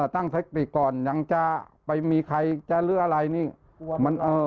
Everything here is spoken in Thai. ตั้งสติก่อนยังจะไปมีใครจะเรื่องอะไร